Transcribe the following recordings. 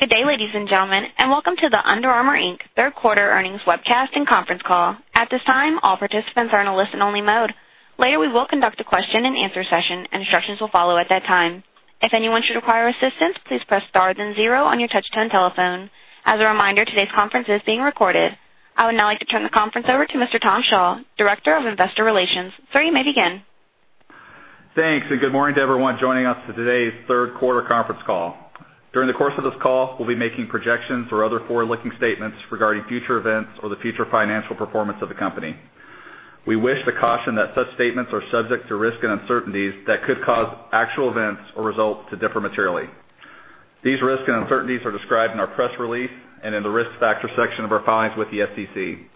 Good day, ladies and gentlemen, and welcome to the Under Armour, Inc. Third Quarter Earnings Webcast and Conference Call. At this time, all participants are in a listen-only mode. Later, we will conduct a question-and-answer session, and instructions will follow at that time. If anyone should require assistance, please press star then zero on your touch-tone telephone. As a reminder, today's conference is being recorded. I would now like to turn the conference over to Mr. Tom Shaw, Director of Investor Relations. Sir, you may begin. Thanks. Good morning to everyone joining us for today's third quarter conference call. During the course of this call, we'll be making projections or other forward-looking statements regarding future events or the future financial performance of the company. We wish to caution that such statements are subject to risks and uncertainties that could cause actual events or results to differ materially. These risks and uncertainties are described in our press release and in the Risk Factors section of our filings with the SEC.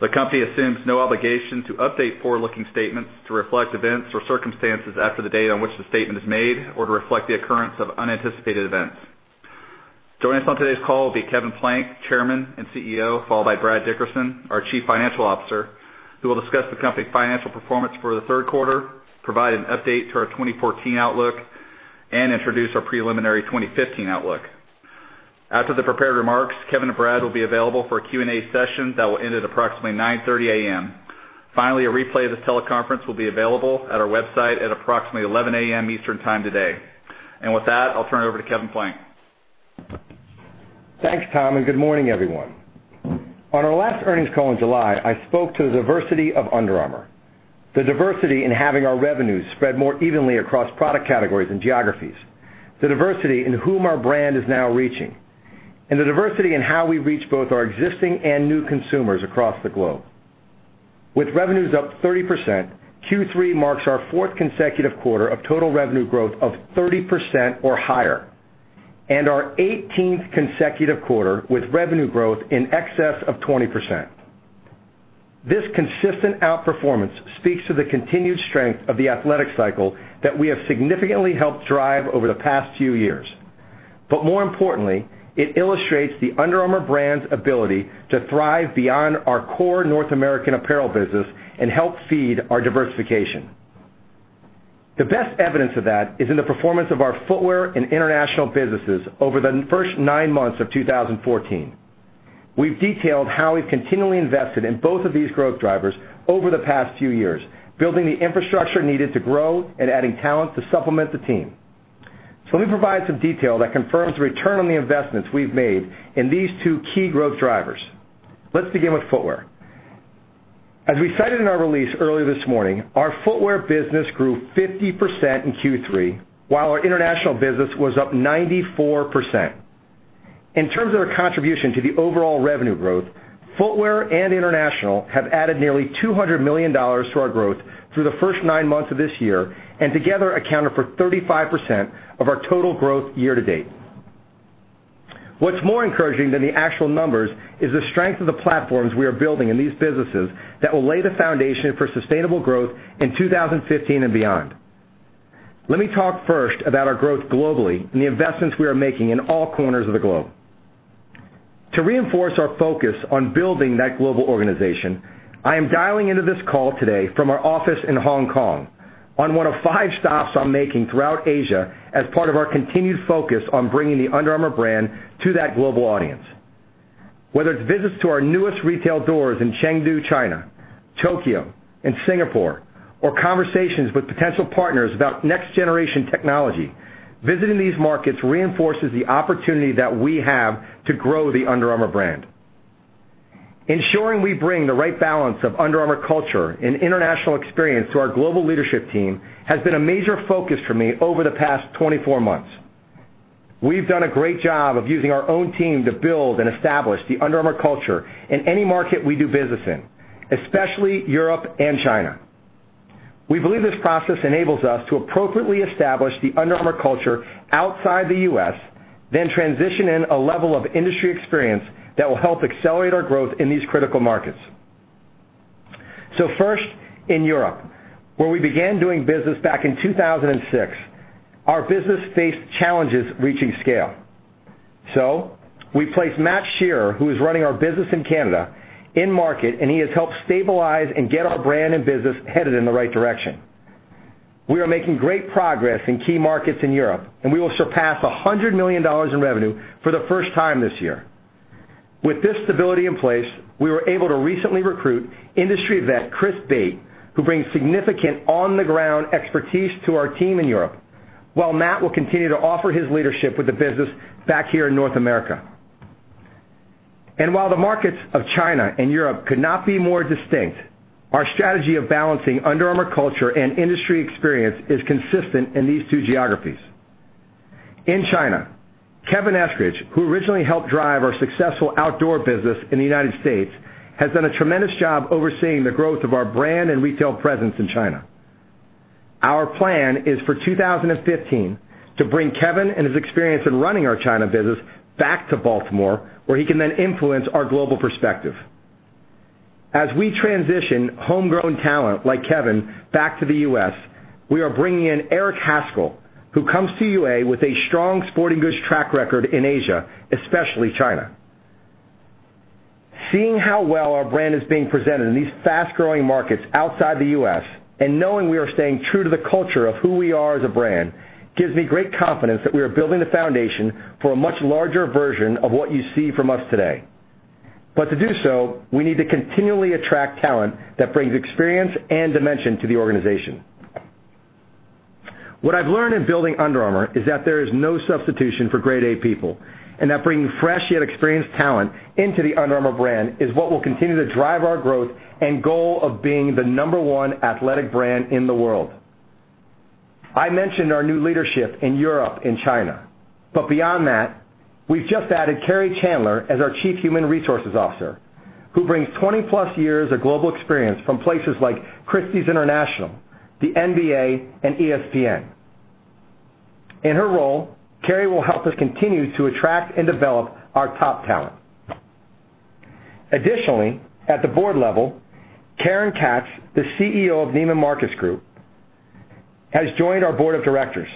The company assumes no obligation to update forward-looking statements to reflect events or circumstances after the date on which the statement is made or to reflect the occurrence of unanticipated events. Joining us on today's call will be Kevin Plank, Chairman and CEO, followed by Brad Dickerson, our Chief Financial Officer, who will discuss the company's financial performance for the third quarter, provide an update to our 2014 outlook, and introduce our preliminary 2015 outlook. After the prepared remarks, Kevin and Brad will be available for a Q&A session that will end at approximately 9:30 A.M. Finally, a replay of this teleconference will be available at our website at approximately 11:00 A.M. Eastern Time today. With that, I'll turn it over to Kevin Plank. Thanks, Tom. Good morning, everyone. On our last earnings call in July, I spoke to the diversity of Under Armour. The diversity in having our revenues spread more evenly across product categories and geographies, the diversity in whom our brand is now reaching, and the diversity in how we reach both our existing and new consumers across the globe. With revenues up 30%, Q3 marks our fourth consecutive quarter of total revenue growth of 30% or higher and our 18th consecutive quarter with revenue growth in excess of 20%. This consistent outperformance speaks to the continued strength of the athletic cycle that we have significantly helped drive over the past few years. More importantly, it illustrates the Under Armour brand's ability to thrive beyond our core North American apparel business and help feed our diversification. The best evidence of that is in the performance of our footwear and international businesses over the first nine months of 2014. We've detailed how we've continually invested in both of these growth drivers over the past few years, building the infrastructure needed to grow and adding talent to supplement the team. Let me provide some detail that confirms the return on the investments we've made in these two key growth drivers. Let's begin with footwear. As we cited in our release earlier this morning, our footwear business grew 50% in Q3, while our international business was up 94%. In terms of their contribution to the overall revenue growth, footwear and international have added nearly $200 million to our growth through the first nine months of this year and together accounted for 35% of our total growth year to date. What's more encouraging than the actual numbers is the strength of the platforms we are building in these businesses that will lay the foundation for sustainable growth in 2015 and beyond. Let me talk first about our growth globally and the investments we are making in all corners of the globe. To reinforce our focus on building that global organization, I am dialing into this call today from our office in Hong Kong on one of five stops I'm making throughout Asia as part of our continued focus on bringing the Under Armour brand to that global audience. Whether it's visits to our newest retail doors in Chengdu, China, Tokyo, and Singapore, or conversations with potential partners about next-generation technology, visiting these markets reinforces the opportunity that we have to grow the Under Armour brand. Ensuring we bring the right balance of Under Armour culture and international experience to our global leadership team has been a major focus for me over the past 24 months. We've done a great job of using our own team to build and establish the Under Armour culture in any market we do business in, especially Europe and China. We believe this process enables us to appropriately establish the Under Armour culture outside the U.S., then transition in a level of industry experience that will help accelerate our growth in these critical markets. First in Europe, where we began doing business back in 2006. Our business faced challenges reaching scale. We placed Matt Shearer, who is running our business in Canada, in market, and he has helped stabilize and get our brand and business headed in the right direction. We are making great progress in key markets in Europe, and we will surpass $100 million in revenue for the first time this year. With this stability in place, we were able to recently recruit industry vet Chris Bate, who brings significant on-the-ground expertise to our team in Europe, while Matt will continue to offer his leadership with the business back here in North America. While the markets of China and Europe could not be more distinct, our strategy of balancing Under Armour culture and industry experience is consistent in these two geographies. In China, Kevin Eskridge, who originally helped drive our successful outdoor business in the United States, has done a tremendous job overseeing the growth of our brand and retail presence in China. Our plan is for 2015 to bring Kevin and his experience in running our China business back to Baltimore, where he can then influence our global perspective. As we transition homegrown talent like Kevin back to the U.S., we are bringing in Erick Haskell, who comes to UA with a strong sporting goods track record in Asia, especially China. Seeing how well our brand is being presented in these fast-growing markets outside the U.S. and knowing we are staying true to the culture of who we are as a brand, gives me great confidence that we are building the foundation for a much larger version of what you see from us today. To do so, we need to continually attract talent that brings experience and dimension to the organization. What I've learned in building Under Armour is that there is no substitution for grade A people, and that bringing fresh, yet experienced talent into the Under Armour brand is what will continue to drive our growth and goal of being the number one athletic brand in the world. I mentioned our new leadership in Europe and China. Beyond that, we've just added Kerry Chandler as our Chief Human Resources Officer, who brings 20-plus years of global experience from places like Christie's, the NBA, and ESPN. In her role, Kerry will help us continue to attract and develop our top talent. Additionally, at the board level, Karen Katz, the CEO of Neiman Marcus Group, has joined our board of directors.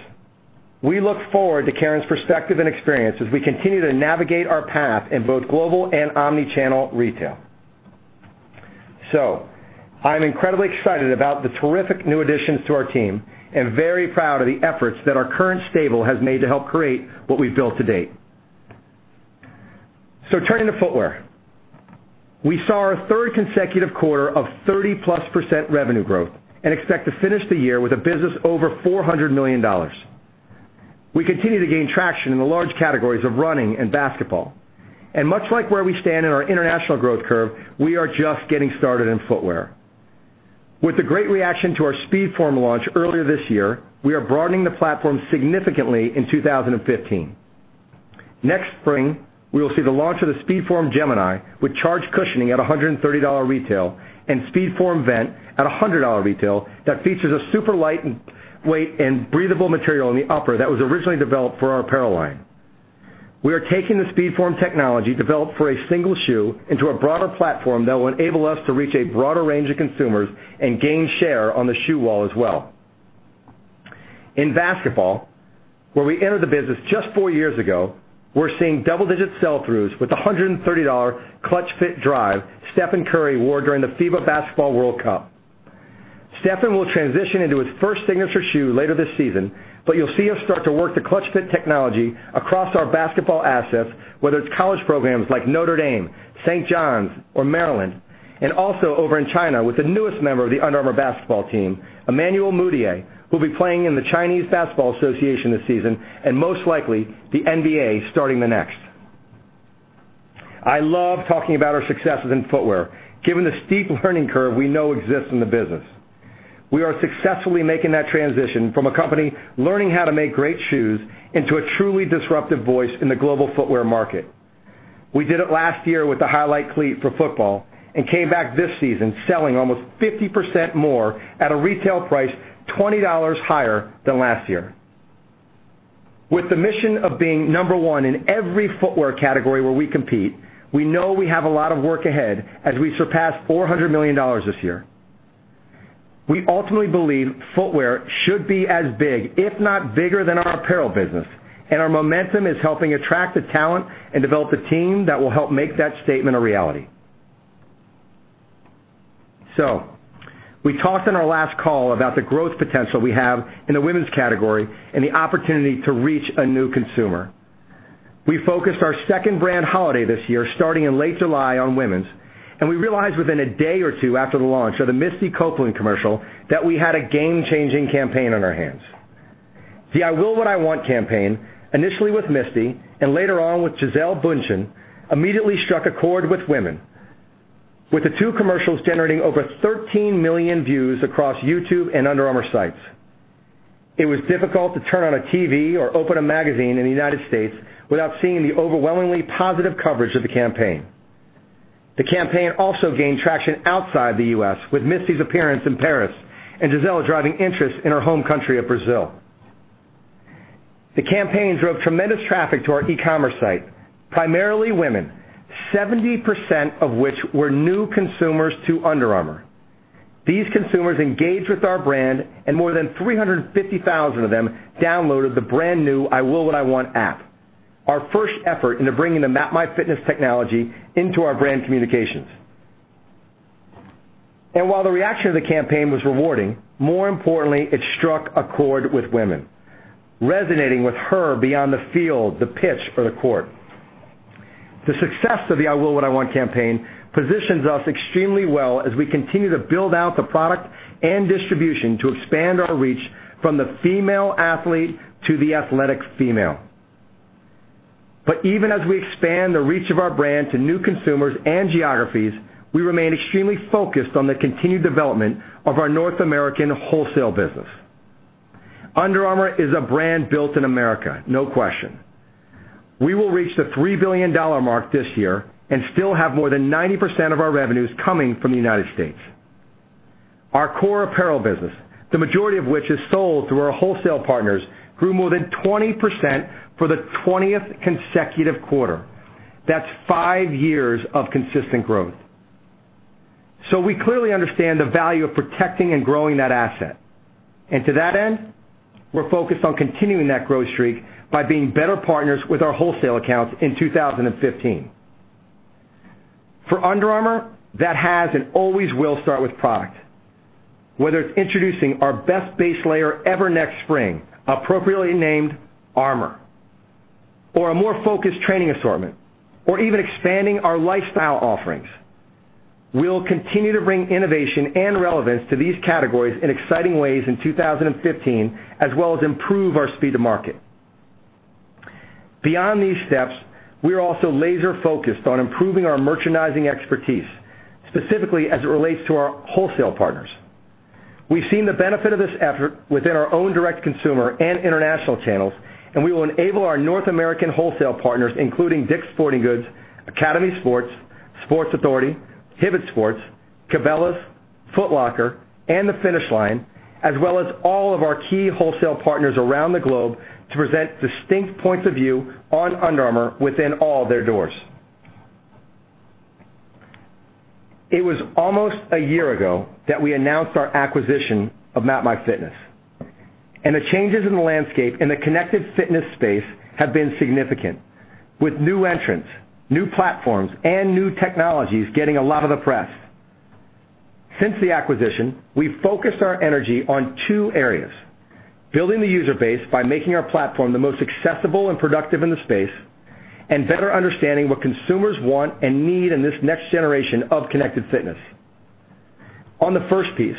We look forward to Karen's perspective and experience as we continue to navigate our path in both global and omni-channel retail. I'm incredibly excited about the terrific new additions to our team and very proud of the efforts that our current stable has made to help create what we've built to date. Turning to footwear. We saw our third consecutive quarter of 30-plus% revenue growth and expect to finish the year with a business over $400 million. We continue to gain traction in the large categories of running and basketball. Much like where we stand in our international growth curve, we are just getting started in footwear. With the great reaction to our SpeedForm launch earlier this year, we are broadening the platform significantly in 2015. Next spring, we will see the launch of the SpeedForm Gemini with charge cushioning at $130 retail and SpeedForm Vent at $100 retail that features a super lightweight and breathable material in the upper that was originally developed for our apparel line. We are taking the SpeedForm technology developed for a single shoe into a broader platform that will enable us to reach a broader range of consumers and gain share on the shoe wall as well. In basketball, where we entered the business just four years ago, we're seeing double-digit sell-throughs with the $130 ClutchFit Drive Stephen Curry wore during the FIBA Basketball World Cup. Stephen will transition into his first signature shoe later this season, but you'll see us start to work the ClutchFit technology across our basketball assets, whether it's college programs like Notre Dame, St. John's, or Maryland, and also over in China with the newest member of the Under Armour basketball team, Emmanuel Mudiay, who'll be playing in the Chinese Basketball Association this season, and most likely, the NBA starting the next. I love talking about our successes in footwear, given the steep learning curve we know exists in the business. We are successfully making that transition from a company learning how to make great shoes into a truly disruptive voice in the global footwear market. We did it last year with the Highlight cleat for football and came back this season selling almost 50% more at a retail price $20 higher than last year. With the mission of being number one in every footwear category where we compete, we know we have a lot of work ahead as we surpass $400 million this year. We ultimately believe footwear should be as big, if not bigger than our apparel business, and our momentum is helping attract the talent and develop the team that will help make that statement a reality. We talked on our last call about the growth potential we have in the women's category and the opportunity to reach a new consumer. We focused our second brand holiday this year, starting in late July, on women's, and we realized within a day or two after the launch of the Misty Copeland commercial that we had a game-changing campaign on our hands. The I Will What I Want campaign, initially with Misty and later on with Gisele Bündchen, immediately struck a chord with women. With the two commercials generating over 13 million views across YouTube and Under Armour sites. It was difficult to turn on a TV or open a magazine in the United States without seeing the overwhelmingly positive coverage of the campaign. The campaign also gained traction outside the U.S., with Misty's appearance in Paris and Gisele driving interest in her home country of Brazil. The campaign drove tremendous traffic to our e-commerce site, primarily women, 70% of which were new consumers to Under Armour. These consumers engaged with our brand and more than 350,000 of them downloaded the brand-new I Will What I Want app, our first effort into bringing the MapMyFitness technology into our brand communications. While the reaction to the campaign was rewarding, more importantly, it struck a chord with women, resonating with her beyond the field, the pitch, or the court. The success of the I Will What I Want campaign positions us extremely well as we continue to build out the product and distribution to expand our reach from the female athlete to the athletic female. Even as we expand the reach of our brand to new consumers and geographies, we remain extremely focused on the continued development of our North American wholesale business. Under Armour is a brand built in America, no question. We will reach the $3 billion mark this year and still have more than 90% of our revenues coming from the United States. Our core apparel business, the majority of which is sold through our wholesale partners, grew more than 20% for the 20th consecutive quarter. That's 5 years of consistent growth. We clearly understand the value of protecting and growing that asset. To that end, we're focused on continuing that growth streak by being better partners with our wholesale accounts in 2015. For Under Armour, that has and always will start with product. Whether it's introducing our best base layer ever next spring, appropriately named Armour, or a more focused training assortment, or even expanding our lifestyle offerings. We'll continue to bring innovation and relevance to these categories in exciting ways in 2015, as well as improve our speed to market. Beyond these steps, we are also laser-focused on improving our merchandising expertise, specifically as it relates to our wholesale partners. We've seen the benefit of this effort within our own direct consumer and international channels. We will enable our North American wholesale partners, including Dick's Sporting Goods, Academy Sports + Outdoors, Sports Authority, Hibbett Sports, Cabela's, Foot Locker, and The Finish Line, as well as all of our key wholesale partners around the globe to present distinct points of view on Under Armour within all their doors. It was almost a year ago that we announced our acquisition of MapMyFitness. The changes in the landscape in the connected fitness space have been significant. With new entrants, new platforms, and new technologies getting a lot of the press. Since the acquisition, we focused our energy on 2 areas, building the user base by making our platform the most accessible and productive in the space, and better understanding what consumers want and need in this next generation of connected fitness. On the first piece,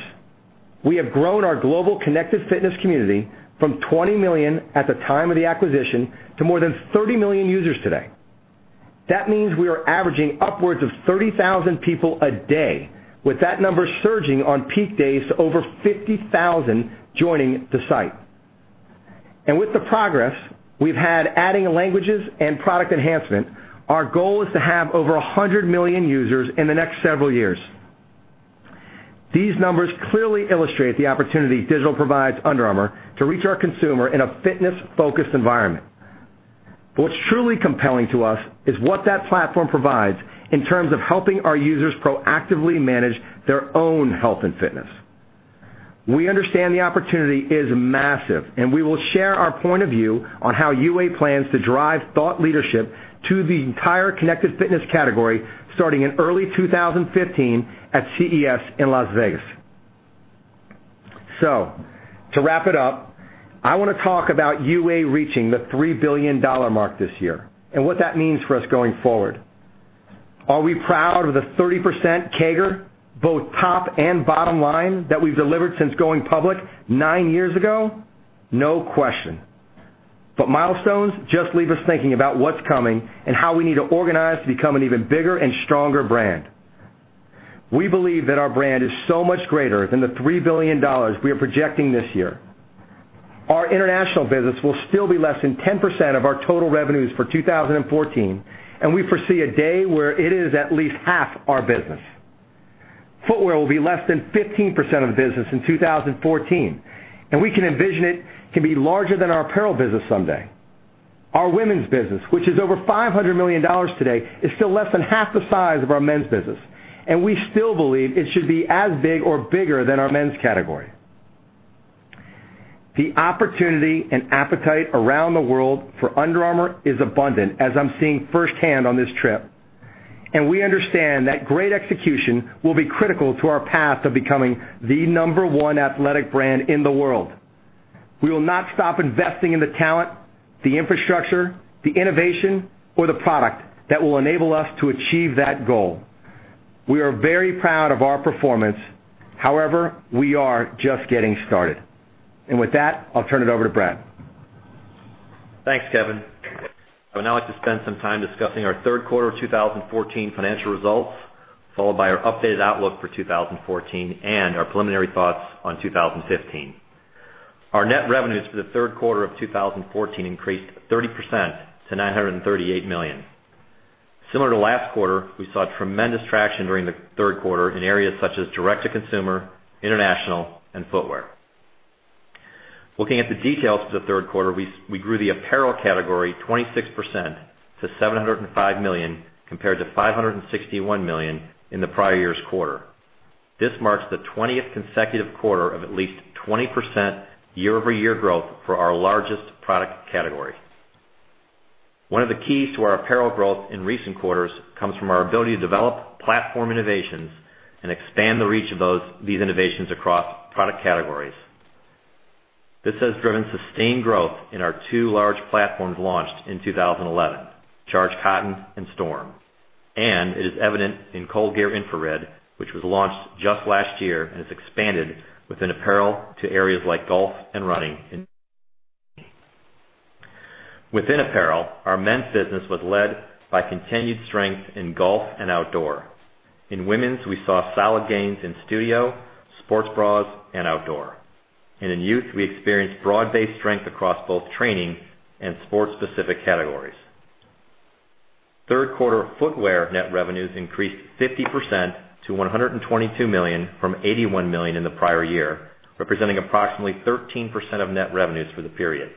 we have grown our global connected fitness community from 20 million at the time of the acquisition to more than 30 million users today. That means we are averaging upwards of 30,000 people a day, with that number surging on peak days to over 50,000 joining the site. With the progress we've had adding languages and product enhancement, our goal is to have over 100 million users in the next several years. These numbers clearly illustrate the opportunity digital provides Under Armour to reach our consumer in a fitness-focused environment. What's truly compelling to us is what that platform provides in terms of helping our users proactively manage their own health and fitness. We understand the opportunity is massive. We will share our point of view on how UA plans to drive thought leadership to the entire connected fitness category starting in early 2015 at CES in Las Vegas. To wrap it up, I want to talk about UA reaching the $3 billion mark this year and what that means for us going forward. Are we proud of the 30% CAGR, both top and bottom line, that we've delivered since going public 9 years ago? No question. Milestones just leave us thinking about what's coming and how we need to organize to become an even bigger and stronger brand. We believe that our brand is so much greater than the $3 billion we are projecting this year. Our international business will still be less than 10% of our total revenues for 2014. We foresee a day where it is at least half our business. Footwear will be less than 15% of the business in 2014. We can envision it can be larger than our apparel business someday. Our women's business, which is over $500 million today, is still less than half the size of our men's business. We still believe it should be as big or bigger than our men's category. The opportunity and appetite around the world for Under Armour is abundant, as I'm seeing firsthand on this trip. We understand that great execution will be critical to our path to becoming the number one athletic brand in the world. We will not stop investing in the talent, the infrastructure, the innovation, or the product that will enable us to achieve that goal. We are very proud of our performance. However, we are just getting started. With that, I'll turn it over to Brad. Thanks, Kevin. I would now like to spend some time discussing our third quarter 2014 financial results, followed by our updated outlook for 2014 and our preliminary thoughts on 2015. Our net revenues for the third quarter of 2014 increased 30% to $938 million. Similar to last quarter, we saw tremendous traction during the third quarter in areas such as direct-to-consumer, international, and footwear. Looking at the details for the third quarter, we grew the apparel category 26% to $705 million, compared to $561 million in the prior year's quarter. This marks the 20th consecutive quarter of at least 20% year-over-year growth for our largest product category. One of the keys to our apparel growth in recent quarters comes from our ability to develop platform innovations and expand the reach of these innovations across product categories. This has driven sustained growth in our two large platforms launched in 2011, Charged Cotton and Storm. It is evident in ColdGear Infrared, which was launched just last year and has expanded within apparel to areas like golf and running. Within apparel, our men's business was led by continued strength in golf and outdoor. In women's, we saw solid gains in studio, sports bras, and outdoor. In youth, we experienced broad-based strength across both training and sport-specific categories. Third quarter footwear net revenues increased 50% to $122 million from $81 million in the prior year, representing approximately 13% of net revenues for the period.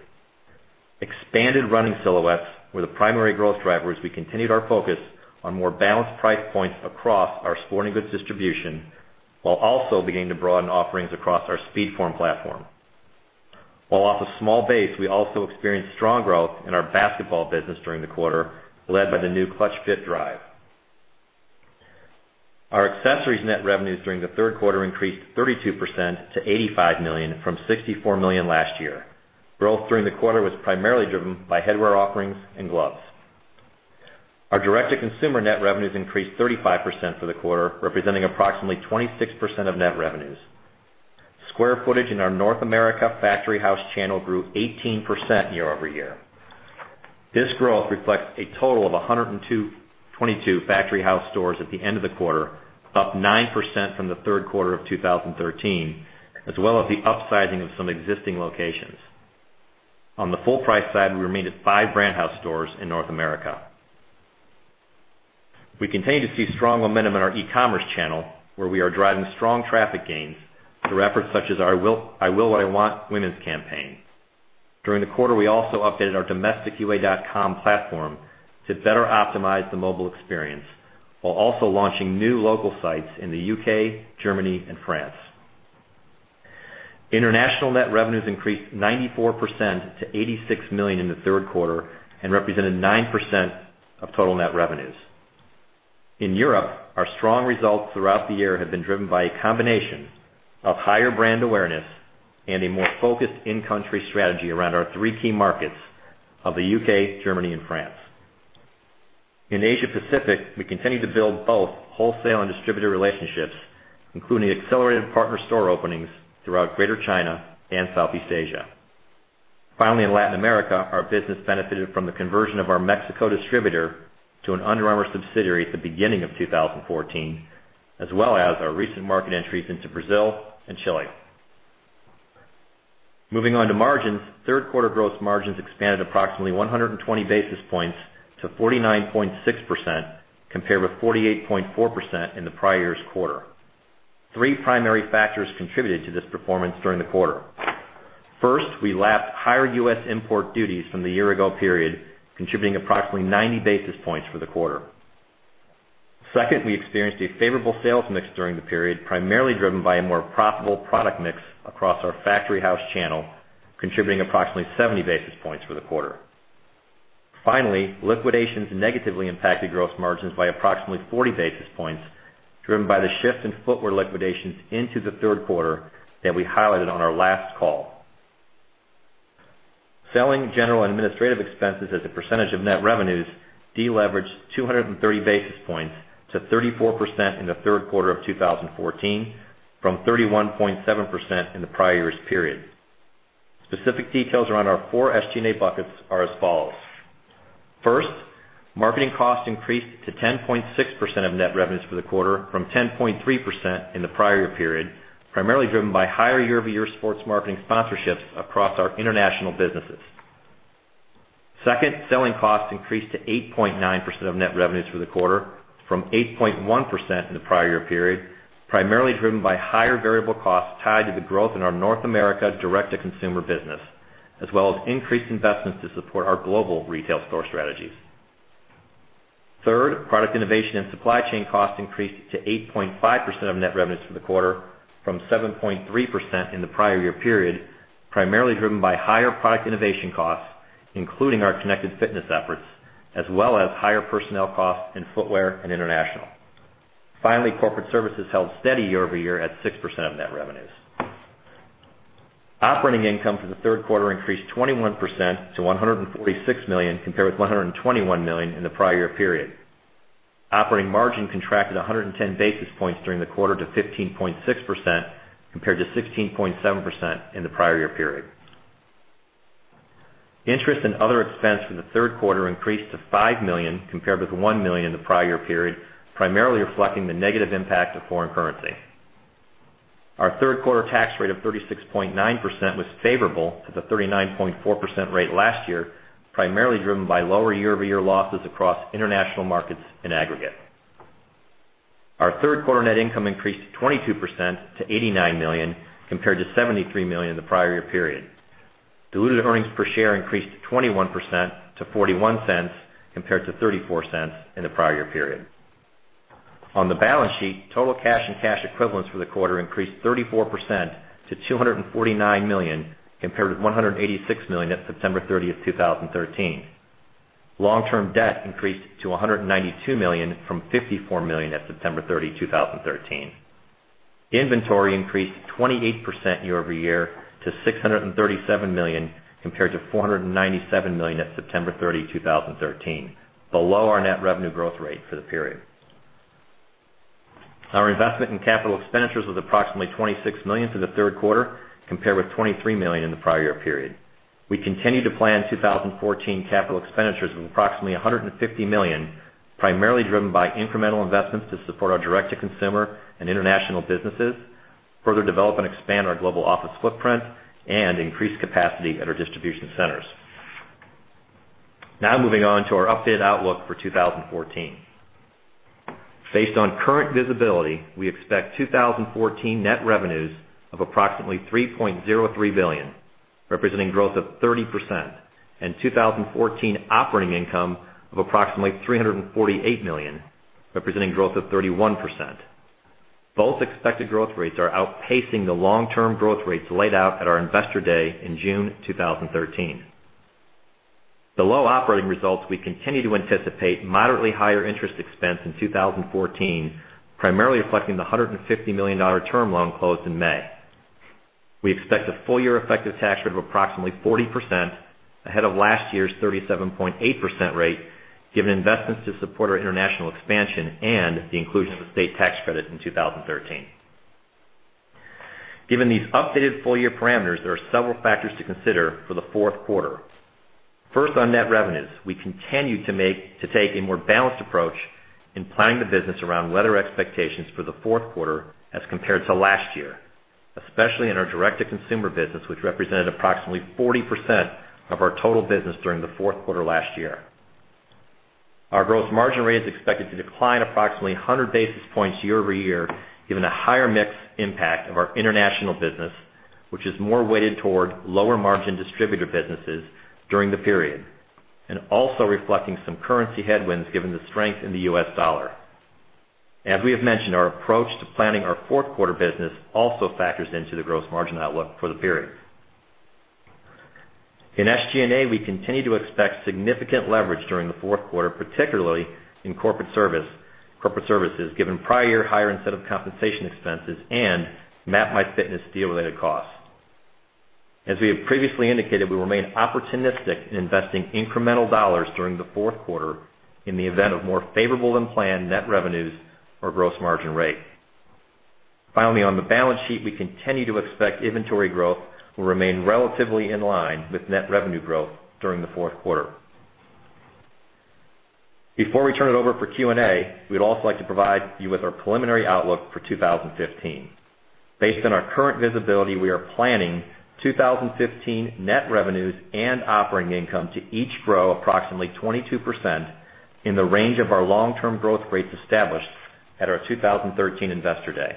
Expanded running silhouettes were the primary growth drivers. We continued our focus on more balanced price points across our sporting goods distribution, while also beginning to broaden offerings across our SpeedForm platform. While off a small base, we also experienced strong growth in our basketball business during the quarter, led by the new ClutchFit Drive. Our accessories net revenues during the third quarter increased 32% to $85 million from $64 million last year. Growth during the quarter was primarily driven by headwear offerings and gloves. Our direct-to-consumer net revenues increased 35% for the quarter, representing approximately 26% of net revenues. Square footage in our North America factory house channel grew 18% year-over-year. This growth reflects a total of 122 factory house stores at the end of the quarter, up 9% from the third quarter of 2013, as well as the upsizing of some existing locations. On the full price side, we remained at five brand house stores in North America. We continue to see strong momentum in our e-commerce channel, where we are driving strong traffic gains through efforts such as our I Will What I Want women's campaign. During the quarter, we also updated our domestic ua.com platform to better optimize the mobile experience, while also launching new local sites in the U.K., Germany, and France. International net revenues increased 94% to $86 million in the third quarter and represented 9% of total net revenues. In Europe, our strong results throughout the year have been driven by a combination of higher brand awareness and a more focused in-country strategy around our three key markets of the U.K., Germany, and France. In Asia Pacific, we continue to build both wholesale and distributor relationships, including accelerated partner store openings throughout Greater China and Southeast Asia. Finally, in Latin America, our business benefited from the conversion of our Mexico distributor to an Under Armour subsidiary at the beginning of 2014, as well as our recent market entries into Brazil and Chile. Moving on to margins, third quarter gross margins expanded approximately 120 basis points to 49.6%, compared with 48.4% in the prior year's quarter. Three primary factors contributed to this performance during the quarter. First, we lapped higher U.S. import duties from the year-ago period, contributing approximately 90 basis points for the quarter. Second, we experienced a favorable sales mix during the period, primarily driven by a more profitable product mix across our factory house channel, contributing approximately 70 basis points for the quarter. Finally, liquidations negatively impacted gross margins by approximately 40 basis points, driven by the shift in footwear liquidations into the third quarter that we highlighted on our last call. Selling, general, and administrative expenses as a percentage of net revenues de-leveraged 230 basis points to 34% in the third quarter of 2014 from 31.7% in the prior year's period. Specific details around our four SG&A buckets are as follows. First, marketing costs increased to 10.6% of net revenues for the quarter from 10.3% in the prior year period, primarily driven by higher year-over-year sports marketing sponsorships across our international businesses. Second, selling costs increased to 8.9% of net revenues for the quarter from 8.1% in the prior year period, primarily driven by higher variable costs tied to the growth in our North America direct-to-consumer business, as well as increased investments to support our global retail store strategies. Third, product innovation and supply chain costs increased to 8.5% of net revenues for the quarter from 7.3% in the prior year period, primarily driven by higher product innovation costs, including our connected fitness efforts, as well as higher personnel costs in footwear and international. Finally, corporate services held steady year-over-year at 6% of net revenues. Operating income for the third quarter increased 21% to $146 million, compared with $121 million in the prior year period. Operating margin contracted 110 basis points during the quarter to 15.6%, compared to 16.7% in the prior year period. Interest and other expense for the third quarter increased to $5 million compared with $1 million in the prior year period, primarily reflecting the negative impact of foreign currency. Our third quarter tax rate of 36.9% was favorable to the 39.4% rate last year, primarily driven by lower year-over-year losses across international markets in aggregate. Our third quarter net income increased 22% to $89 million, compared to $73 million in the prior year period. Diluted earnings per share increased 21% to $0.41, compared to $0.34 in the prior year period. On the balance sheet, total cash and cash equivalents for the quarter increased 34% to $249 million, compared with $186 million at September 30, 2013. Long-term debt increased to $192 million from $54 million at September 30, 2013. Inventory increased 28% year-over-year to $637 million, compared to $497 million at September 30, 2013, below our net revenue growth rate for the period. Our investment in capital expenditures was approximately $26 million for the third quarter, compared with $23 million in the prior year period. We continue to plan 2014 capital expenditures of approximately $150 million, primarily driven by incremental investments to support our direct-to-consumer and international businesses, further develop and expand our global office footprint, and increase capacity at our distribution centers. Now moving on to our updated outlook for 2014. Based on current visibility, we expect 2014 net revenues of approximately $3.03 billion, representing growth of 30%, and 2014 operating income of approximately $348 million, representing growth of 31%. Both expected growth rates are outpacing the long-term growth rates laid out at our Investor Day in June 2013. The low operating results we continue to anticipate moderately higher interest expense in 2014, primarily reflecting the $150 million term loan closed in May. We expect a full-year effective tax rate of approximately 40% ahead of last year's 37.8% rate, given investments to support our international expansion and the inclusion of a state tax credit in 2013. Given these updated full-year parameters, there are several factors to consider for the fourth quarter. First, on net revenues, we continue to take a more balanced approach in planning the business around weather expectations for the fourth quarter as compared to last year, especially in our direct-to-consumer business, which represented approximately 40% of our total business during the fourth quarter last year. Our gross margin rate is expected to decline approximately 100 basis points year-over-year, given a higher mix impact of our international business, which is more weighted toward lower-margin distributor businesses during the period, and also reflecting some currency headwinds given the strength in the U.S. dollar. As we have mentioned, our approach to planning our fourth quarter business also factors into the gross margin outlook for the period. In SG&A, we continue to expect significant leverage during the fourth quarter, particularly in corporate services, given prior higher incentive compensation expenses and MapMyFitness deal-related costs. As we have previously indicated, we remain opportunistic in investing incremental dollars during the fourth quarter in the event of more favorable than planned net revenues or gross margin rate. Finally, on the balance sheet, we continue to expect inventory growth will remain relatively in line with net revenue growth during the fourth quarter. Before we turn it over for Q&A, we'd also like to provide you with our preliminary outlook for 2015. Based on our current visibility, we are planning 2015 net revenues and operating income to each grow approximately 22% in the range of our long-term growth rates established at our 2013 Investor Day.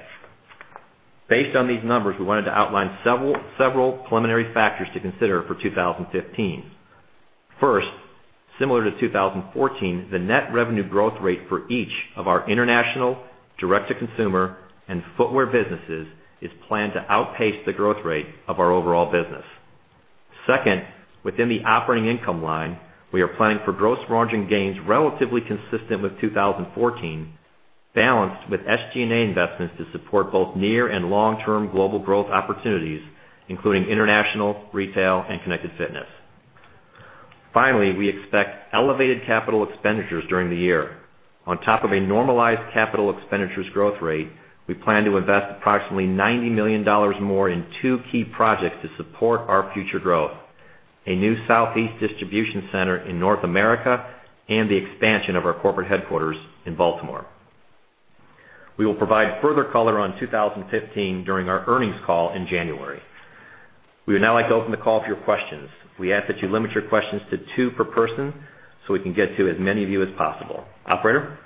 Based on these numbers, we wanted to outline several preliminary factors to consider for 2015. First, similar to 2014, the net revenue growth rate for each of our international, direct-to-consumer, and footwear businesses is planned to outpace the growth rate of our overall business. Second, within the operating income line, we are planning for gross margin gains relatively consistent with 2014, balanced with SG&A investments to support both near and long-term global growth opportunities, including international, retail, and connected fitness. Finally, we expect elevated capital expenditures during the year. On top of a normalized capital expenditures growth rate, we plan to invest approximately $90 million more in two key projects to support our future growth, a new Southeast distribution center in North America, and the expansion of our corporate headquarters in Baltimore. We will provide further color on 2015 during our earnings call in January. We would now like to open the call for your questions. We ask that you limit your questions to two per person so we can get to as many of you as possible. Operator?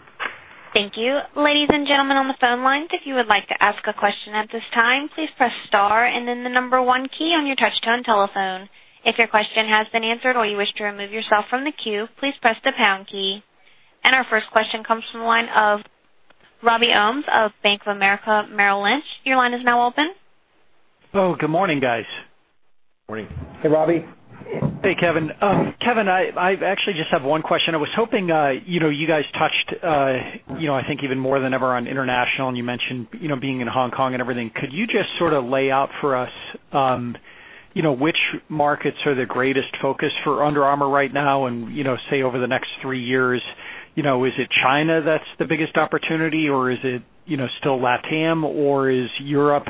Thank you. Ladies and gentlemen on the phone lines, if you would like to ask a question at this time, please press star and then the number one key on your touch-tone telephone. If your question has been answered or you wish to remove yourself from the queue, please press the pound key. Our first question comes from the line of Robert Ohmes of Bank of America Merrill Lynch. Your line is now open. Oh, good morning, guys. Morning. Hey, Robbie. Hey, Kevin. Kevin, I actually just have one question. I was hoping, you guys touched, I think even more than ever on international, and you mentioned being in Hong Kong and everything. Could you just sort of lay out for us which markets are the greatest focus for Under Armour right now and, say over the next three years? Is it China that's the biggest opportunity, or is it still LATAM, or is Europe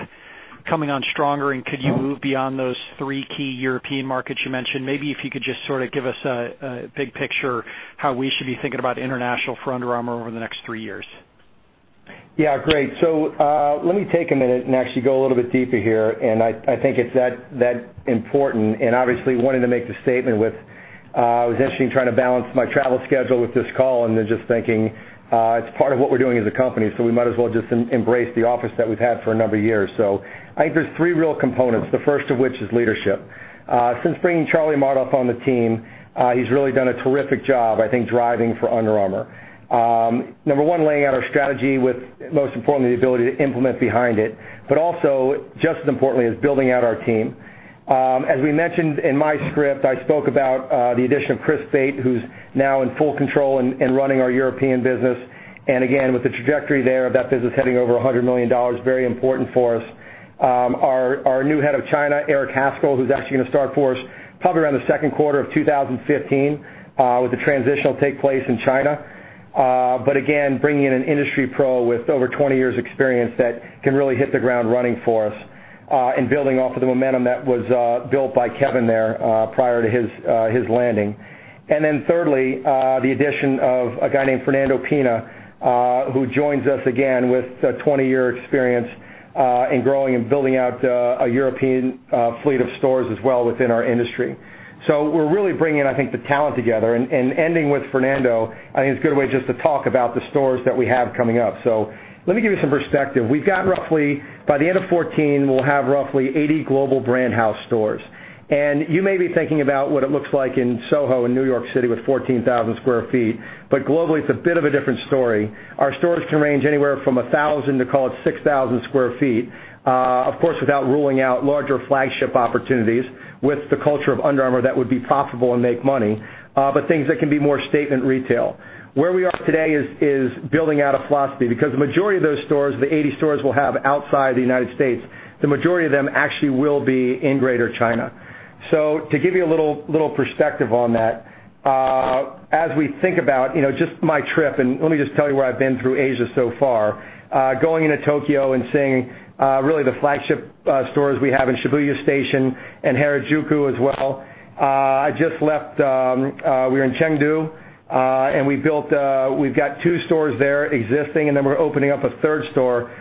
coming on stronger? Could you move beyond those three key European markets you mentioned? Maybe if you could just sort of give us a big picture how we should be thinking about international for Under Armour over the next three years. Yeah, great. Let me take a minute and actually go a little bit deeper here. I think it's that important and obviously wanting to make the statement with I was actually trying to balance my travel schedule with this call and then just thinking, it's part of what we're doing as a company, we might as well just embrace the office that we've had for a number of years. I think there's three real components, the first of which is leadership. Since bringing Charlie Maurath on the team, he's really done a terrific job, I think, driving for Under Armour. Number 1, laying out our strategy with, most importantly, the ability to implement behind it, also, just as importantly, is building out our team. As we mentioned in my script, I spoke about the addition of Chris Bate, who is now in full control in running our European business. Again, with the trajectory there of that business heading over $100 million, very important for us. Our new head of China, Erick Haskell, who is actually going to start for us probably around the second quarter of 2015 with the transitional take place in China. Again, bringing in an industry pro with over 20 years' experience that can really hit the ground running for us in building off of the momentum that was built by Kevin there prior to his landing. Thirdly, the addition of a guy named Fernando Pena, who joins us again with 20 years' experience in growing and building out a European fleet of stores as well within our industry. We are really bringing, I think, the talent together and ending with Fernando, I think is a good way just to talk about the stores that we have coming up. Let me give you some perspective. We have got roughly, by the end of 2014, we will have roughly 80 global brand house stores. You may be thinking about what it looks like in SoHo, in New York City with 14,000 sq ft. Globally, it is a bit of a different story. Our stores can range anywhere from 1,000 to call it 6,000 sq ft, of course, without ruling out larger flagship opportunities with the culture of Under Armour that would be profitable and make money, but things that can be more statement retail. Where we are today is building out a philosophy because the majority of those stores, the 80 stores we will have outside the U.S., the majority of them actually will be in Greater China. To give you a little perspective on that, as we think about just my trip, and let me just tell you where I have been through Asia so far. Going into Tokyo and seeing really the flagship stores we have in Shibuya Station and Harajuku as well. I just left. We were in Chengdu, and we have got two stores there existing, and then we are opening up a third store,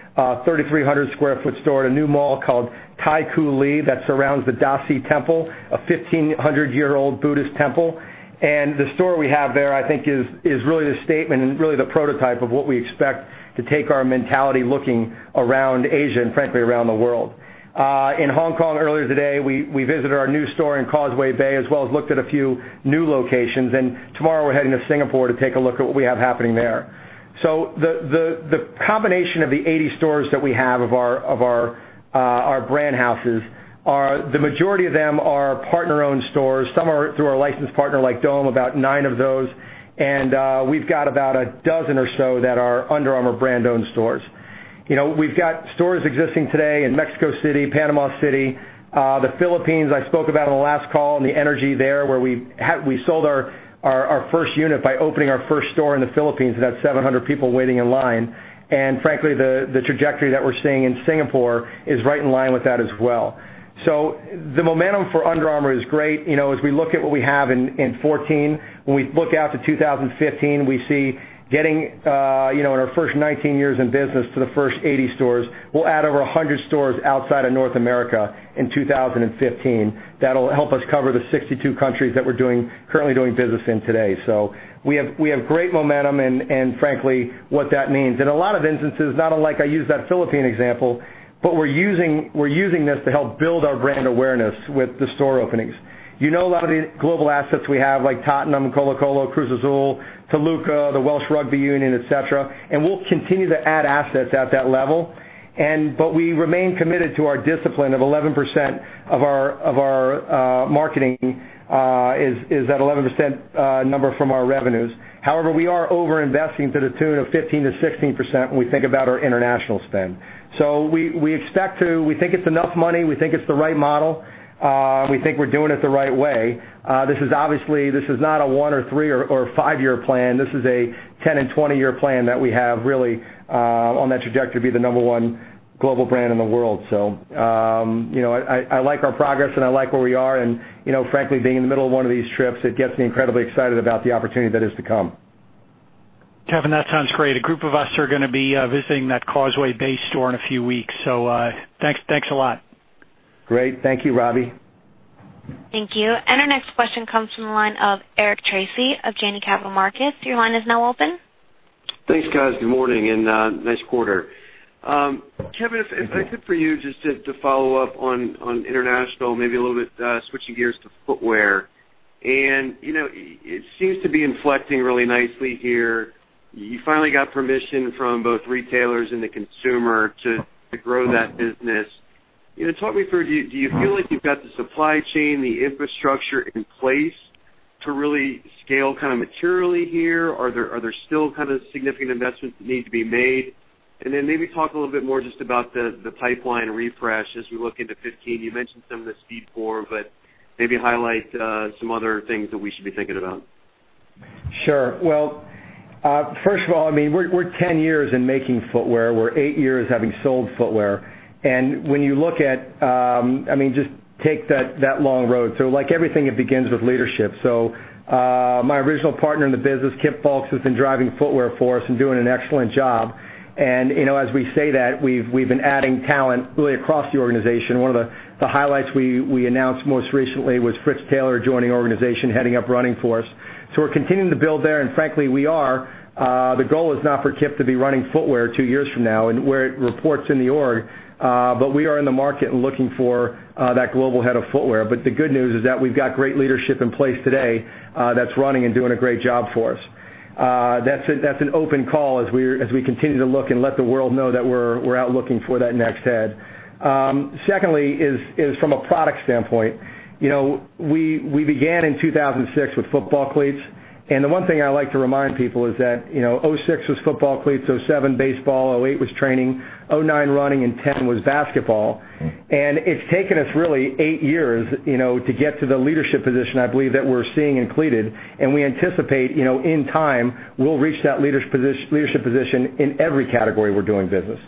3,300 sq ft store at a new mall called Taikoo Li that surrounds the Daci Temple, a 1,500-year-old Buddhist temple. The store we have there, I think is really the statement and really the prototype of what we expect to take our mentality looking around Asia and frankly, around the world. In Hong Kong earlier today, we visited our new store in Causeway Bay as well as looked at a few new locations. Tomorrow we are heading to Singapore to take a look at what we have happening there. The combination of the 80 stores that we have of our brand houses are, the majority of them are partner-owned stores. Some are through our licensed partner like Dome, about nine of those. We have got about a dozen or so that are Under Armour brand-owned stores. We've got stores existing today in Mexico City, Panama City, the Philippines, I spoke about on the last call, and the energy there where we sold our first unit by opening our first store in the Philippines and had 700 people waiting in line. Frankly, the trajectory that we're seeing in Singapore is right in line with that as well. The momentum for Under Armour is great. As we look at what we have in 2014, when we look out to 2015, we see getting our first 19 years in business to the first 80 stores. We'll add over 100 stores outside of North America in 2015. That'll help us cover the 62 countries that we're currently doing business in today. We have great momentum and frankly what that means. In a lot of instances, not unlike I used that Philippine example, we're using this to help build our brand awareness with the store openings. You know a lot of the global assets we have like Tottenham, Colo-Colo, Cruz Azul, Toluca, the Welsh Rugby Union, et cetera, we'll continue to add assets at that level. We remain committed to our discipline of 11% of our marketing, is that 11% number from our revenues. However, we are over-investing to the tune of 15%-16% when we think about our international spend. We think it's enough money. We think it's the right model. We think we're doing it the right way. This is obviously, this is not a one or three or five-year plan. This is a 10 and 20-year plan that we have really, on that trajectory to be the number one global brand in the world. I like our progress, and I like where we are. Frankly, being in the middle of one of these trips, it gets me incredibly excited about the opportunity that is to come. Kevin, that sounds great. A group of us are going to be visiting that Causeway Bay store in a few weeks. Thanks a lot. Great. Thank you, Robbie. Thank you. Our next question comes from the line of Eric Tracy of Janney Montgomery Scott. Your line is now open. Thanks, guys. Good morning, and nice quarter. Kevin, if I could for you just to follow up on international, maybe a little bit, switching gears to footwear. It seems to be inflecting really nicely here. You finally got permission from both retailers and the consumer to grow that business. Talk me through, do you feel like you've got the supply chain, the infrastructure in place to really scale materially here? Are there still significant investments that need to be made? Maybe talk a little bit more just about the pipeline refresh as we look into 2015. You mentioned some of the SpeedForm, but maybe highlight some other things that we should be thinking about. Sure. Well, first of all, we're 10 years in making footwear. We're eight years having sold footwear. When you look at Just take that long road. Like everything, it begins with leadership. My original partner in the business, Kip Fulks, who's been driving footwear for us and doing an excellent job. As we say that, we've been adding talent really across the organization. One of the highlights we announced most recently was Fritz Taylor joining the organization, heading up running for us. We're continuing to build there, and frankly, The goal is not for Kip to be running footwear two years from now and where it reports in the org. We are in the market and looking for that global head of footwear. The good news is that we've got great leadership in place today that's running and doing a great job for us. That's an open call as we continue to look and let the world know that we're out looking for that next head. Secondly, from a product standpoint, we began in 2006 with football cleats. The one thing I like to remind people is that 2006 was football cleats, 2007 baseball, 2008 was training, 2009 running, and 2010 was basketball. It's taken us really eight years to get to the leadership position, I believe, that we're seeing in cleated. We anticipate, in time, we'll reach that leadership position in every category we're doing business.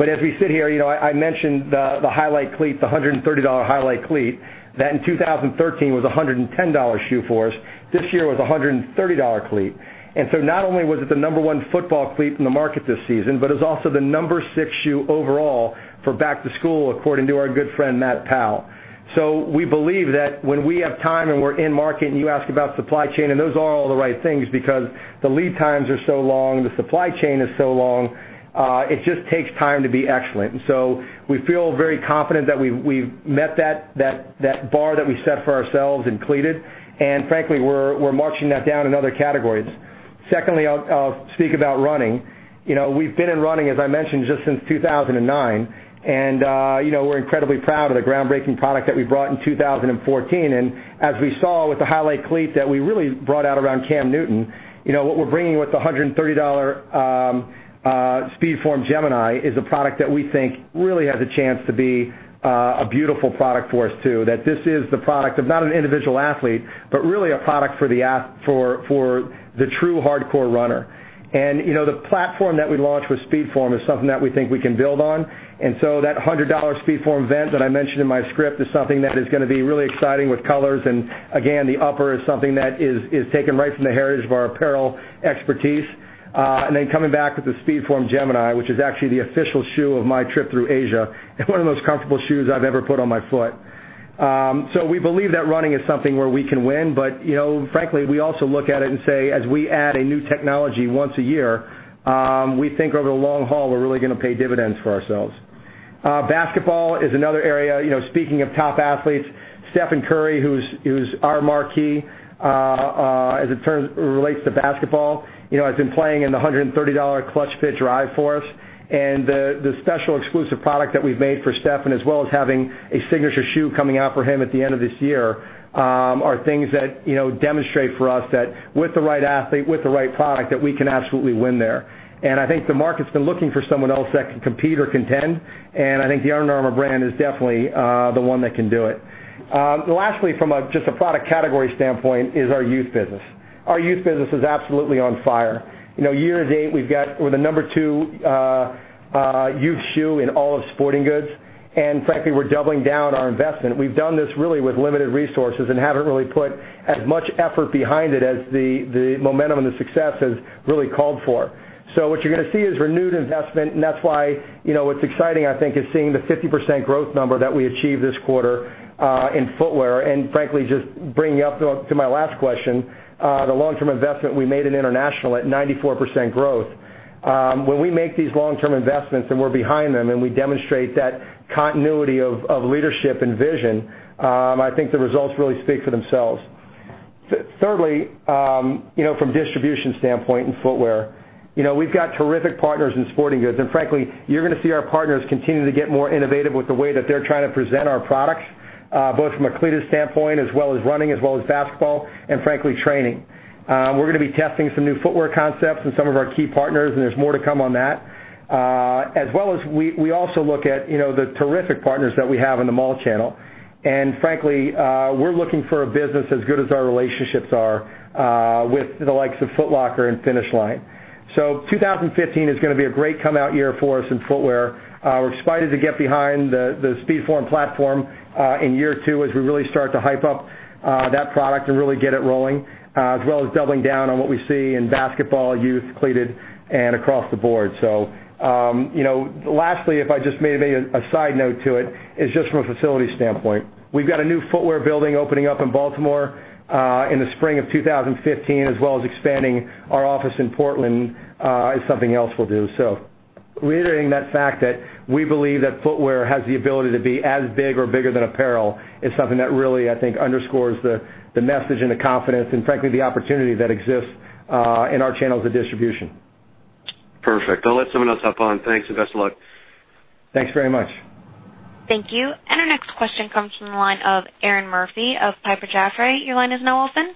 As we sit here, I mentioned the Highlight cleat, the $130 Highlight cleat, that in 2013 was a $110 shoe for us. This year it was a $130 cleat. Not only was it the number 1 football cleat in the market this season, but it's also the number 6 shoe overall for back to school, according to our good friend, Matt Powell. We believe that when we have time and we're in market, and you ask about supply chain, and those are all the right things because the lead times are so long, the supply chain is so long, it just takes time to be excellent. We feel very confident that we've met that bar that we set for ourselves in cleated, and frankly, we're marching that down in other categories. Secondly, I'll speak about running. We've been in running, as I mentioned, just since 2009. We're incredibly proud of the groundbreaking product that we brought in 2014. As we saw with the Highlight cleat that we really brought out around Cam Newton, what we're bringing with the $130 SpeedForm Gemini is a product that we think really has a chance to be a beautiful product for us, too. That this is the product of not an individual athlete, but really a product for the true hardcore runner. The platform that we launched with SpeedForm is something that we think we can build on. That $100 SpeedForm Vent that I mentioned in my script is something that is going to be really exciting with colors. Again, the upper is something that is taken right from the heritage of our apparel expertise. Coming back with the SpeedForm Gemini, which is actually the official shoe of my trip through Asia, and one of the most comfortable shoes I've ever put on my foot. We believe that running is something where we can win, frankly, we also look at it and say, as we add a new technology once a year, we think over the long haul, we're really going to pay dividends for ourselves. Basketball is another area. Speaking of top athletes, Stephen Curry, who's our marquee, as it relates to basketball, has been playing in the $130 ClutchFit Drive for us. The special exclusive product that we've made for Stephen, as well as having a signature shoe coming out for him at the end of this year, are things that demonstrate for us that with the right athlete, with the right product, that we can absolutely win there. I think the market's been looking for someone else that can compete or contend, I think the Under Armour brand is definitely the one that can do it. Lastly, from just a product category standpoint, is our youth business. Our youth business is absolutely on fire. Year to date, we're the number two youth shoe in all of sporting goods. Frankly, we're doubling down our investment. We've done this really with limited resources and haven't really put as much effort behind it as the momentum and the success has really called for. What you're going to see is renewed investment, and that's why what's exciting, I think, is seeing the 50% growth number that we achieved this quarter in footwear. Frankly, just bringing up to my last question, the long-term investment we made in international at 94% growth. When we make these long-term investments and we're behind them, and we demonstrate that continuity of leadership and vision, I think the results really speak for themselves. Thirdly, from distribution standpoint in footwear, we've got terrific partners in sporting goods. Frankly, you're going to see our partners continue to get more innovative with the way that they're trying to present our products, both from a cleat standpoint as well as running, as well as basketball, and frankly, training. We're going to be testing some new footwear concepts with some of our key partners, and there's more to come on that. As well as, we also look at the terrific partners that we have in the mall channel. Frankly, we're looking for a business as good as our relationships are with the likes of Foot Locker and Finish Line. 2015 is going to be a great come-out year for us in footwear. We're excited to get behind the SpeedForm platform in year two as we really start to hype up that product and really get it rolling, as well as doubling down on what we see in basketball, youth, cleated, and across the board. Lastly, if I just may make a side note to it, is just from a facility standpoint. We've got a new footwear building opening up in Baltimore in the spring of 2015, as well as expanding our office in Portland is something else we'll do. Reiterating that fact that we believe that footwear has the ability to be as big or bigger than apparel is something that really, I think, underscores the message and the confidence and frankly, the opportunity that exists in our channels of distribution. Perfect. I'll let someone else hop on. Thanks, best of luck. Thanks very much. Thank you. Our next question comes from the line of Erinn Murphy of Piper Jaffray. Your line is now open.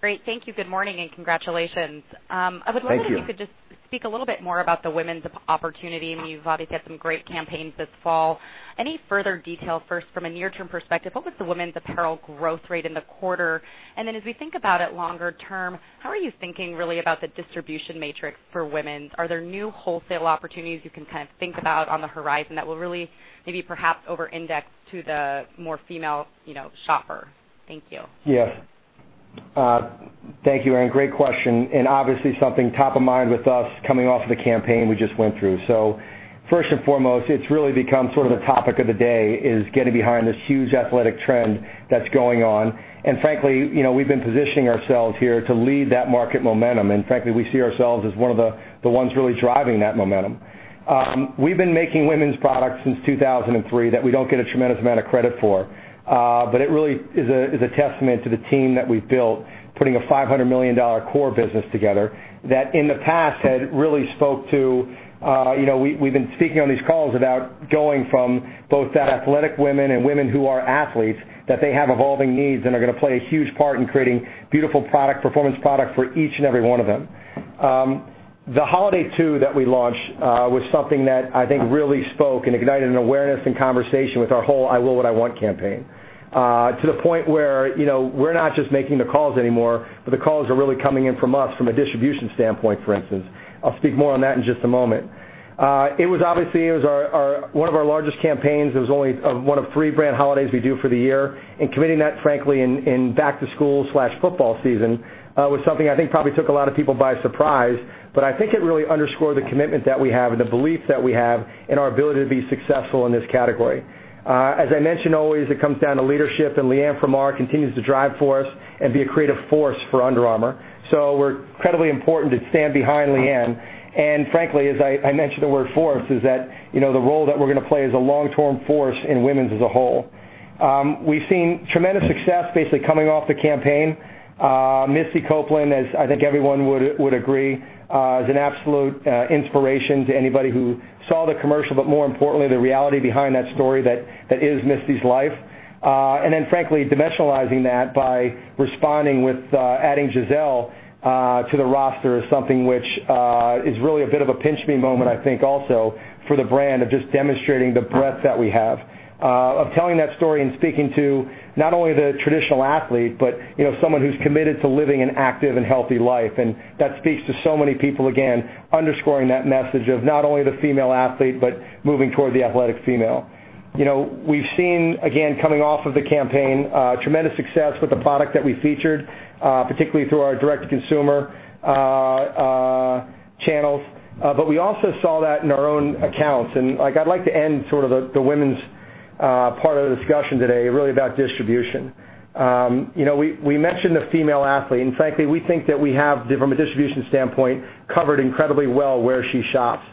Great. Thank you. Good morning, and congratulations. Thank you. I was wondering if you could just speak a little bit more about the women's opportunity. You've obviously had some great campaigns this fall. Any further detail first from a near-term perspective, what was the women's apparel growth rate in the quarter? Then as we think about it longer term, how are you thinking really about the distribution matrix for women's? Are there new wholesale opportunities you can kind of think about on the horizon that will really maybe perhaps over-index to the more female shopper? Thank you. Yes. Thank you, Erinn. Great question, obviously something top of mind with us coming off of the campaign we just went through. First and foremost, it's really become sort of the topic of the day, is getting behind this huge athletic trend that's going on. Frankly, we've been positioning ourselves here to lead that market momentum. Frankly, we see ourselves as one of the ones really driving that momentum. We've been making women's products since 2003 that we don't get a tremendous amount of credit for. It really is a testament to the team that we've built, putting a $500 million core business together that, in the past, had really spoke to. We've been speaking on these calls about going from both that athletic women and women who are athletes, that they have evolving needs and are going to play a huge part in creating beautiful product, performance product for each and every one of them. The Holiday '2 that we launched was something that I think really spoke and ignited an awareness and conversation with our whole, I Will What I Want campaign, to the point where we're not just making the calls anymore, the calls are really coming in from us from a distribution standpoint, for instance. I'll speak more on that in just a moment. It was obviously one of our largest campaigns. It was only one of three brand holidays we do for the year, committing that, frankly, in back to school/football season, was something I think probably took a lot of people by surprise, I think it really underscored the commitment that we have and the belief that we have in our ability to be successful in this category. As I mention always, it comes down to leadership, LeAnn Frohmader continues to drive for us and be a creative force for Under Armour. We're incredibly important to stand behind LeAnn. Frankly, as I mention the word force, is that the role that we're going to play as a long-term force in women's as a whole. We've seen tremendous success basically coming off the campaign. Misty Copeland, as I think everyone would agree, is an absolute inspiration to anybody who saw the commercial, but more importantly, the reality behind that story that is Misty's life. Frankly, dimensionalizing that by responding with adding Gisele to the roster is something which is really a bit of a pinch me moment, I think, also for the brand of just demonstrating the breadth that we have of telling that story and speaking to not only the traditional athlete, but someone who's committed to living an active and healthy life. That speaks to so many people, again, underscoring that message of not only the female athlete, but moving toward the athletic female. We've seen, again, coming off of the campaign, tremendous success with the product that we featured, particularly through our direct-to-consumer channels. We also saw that in our own accounts. I'd like to end the women's part of the discussion today really about distribution. We mentioned the female athlete, frankly, we think that we have, from a distribution standpoint, covered incredibly well where she shops.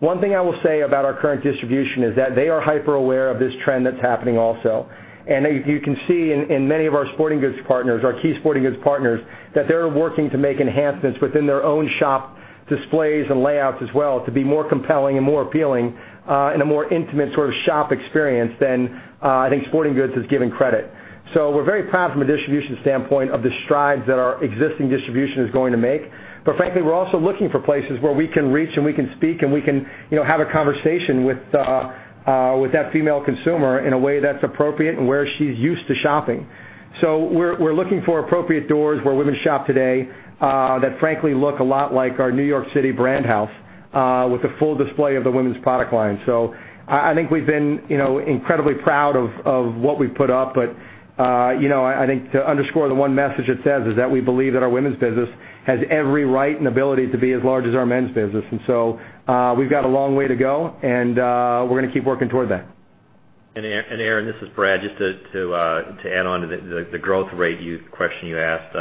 One thing I will say about our current distribution is that they are hyper-aware of this trend that's happening also. You can see in many of our key sporting goods partners, that they're working to make enhancements within their own shop displays and layouts as well to be more compelling and more appealing in a more intimate sort of shop experience than I think sporting goods is given credit. We're very proud from a distribution standpoint of the strides that our existing distribution is going to make. Frankly, we're also looking for places where we can reach and we can speak and we can have a conversation with that female consumer in a way that's appropriate and where she's used to shopping. We're looking for appropriate doors where women shop today that frankly look a lot like our New York City brand house with a full display of the women's product line. I think we've been incredibly proud of what we've put up, I think to underscore the one message it says is that we believe that our women's business has every right and ability to be as large as our men's business. We've got a long way to go, we're going to keep working toward that. Erinn, this is Brad, just to add on to the growth rate question you asked.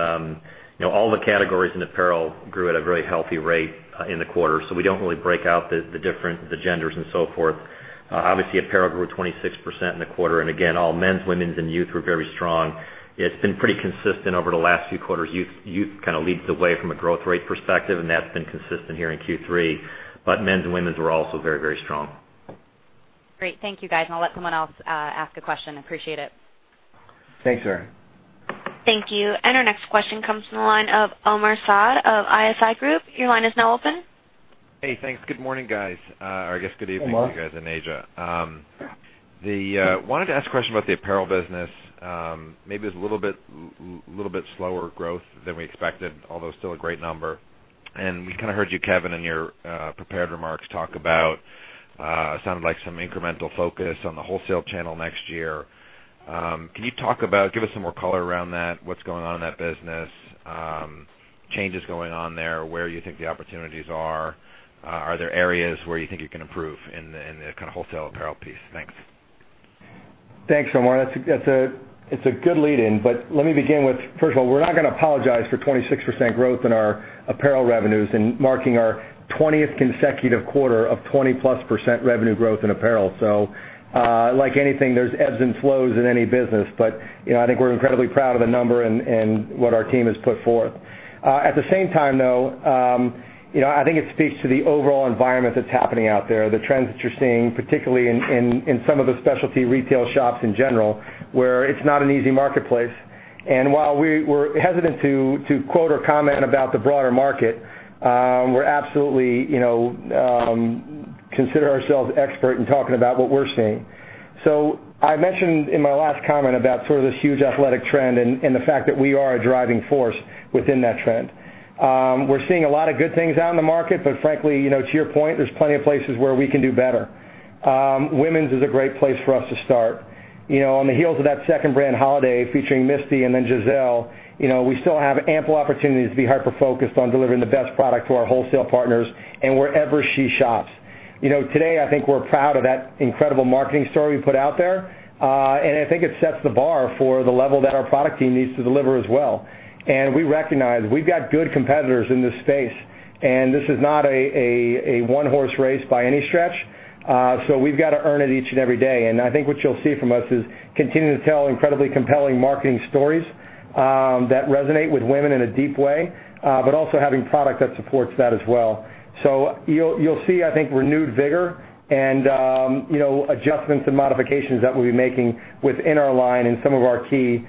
All the categories in apparel grew at a very healthy rate in the quarter, we don't really break out the different genders and so forth. Obviously, apparel grew 26% in the quarter, again, all men's, women's, and youth were very strong. It's been pretty consistent over the last few quarters. Youth kind of leads the way from a growth rate perspective, that's been consistent here in Q3. Men's and women's were also very strong. Great. Thank you, guys. I'll let someone else ask a question. Appreciate it. Thanks, Erinn. Thank you. Our next question comes from the line of Omar Saad of ISI Group. Your line is now open. Hey, thanks. Good morning, guys. I guess good evening to you guys in Asia. Omar. Wanted to ask a question about the apparel business. Maybe it was a little bit slower growth than we expected, although still a great number. We kind of heard you, Kevin, in your prepared remarks, talk about, sounded like some incremental focus on the wholesale channel next year. Can you talk about, give us some more color around that? What's going on in that business? Changes going on there, where you think the opportunities are? Are there areas where you think you can improve in the kind of wholesale apparel piece? Thanks. Thanks, Omar. That's a good lead in, but let me begin with, first of all, we're not going to apologize for 26% growth in our apparel revenues and marking our 20th consecutive quarter of 20-plus % revenue growth in apparel. Like anything, there's ebbs and flows in any business, but I think we're incredibly proud of the number and what our team has put forth. At the same time, though, I think it speaks to the overall environment that's happening out there, the trends that you're seeing, particularly in some of the specialty retail shops in general, where it's not an easy marketplace. While we're hesitant to quote or comment about the broader market, we absolutely consider ourselves expert in talking about what we're seeing. I mentioned in my last comment about sort of this huge athletic trend and the fact that we are a driving force within that trend. We're seeing a lot of good things out in the market, but frankly, to your point, there's plenty of places where we can do better. Women's is a great place for us to start. On the heels of that second brand holiday featuring Misty and then Gisele, we still have ample opportunities to be hyper-focused on delivering the best product to our wholesale partners and wherever she shops. Today, I think we're proud of that incredible marketing story we put out there, and I think it sets the bar for the level that our product team needs to deliver as well. We recognize we've got good competitors in this space, and this is not a one-horse race by any stretch. We've got to earn it each and every day. I think what you'll see from us is continuing to tell incredibly compelling marketing stories that resonate with women in a deep way, but also having product that supports that as well. You'll see, I think, renewed vigor and adjustments and modifications that we'll be making within our line in some of our key